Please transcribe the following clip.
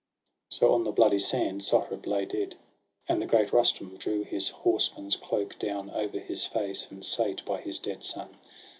So, on the bloody sand, Sohrab lay dead. And the great Rustum drew his horseman's cloak Down o'er his face, and sate by his dead son.